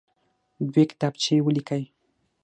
دوې کتابچې ولیکئ.